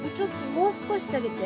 もう少し下げて。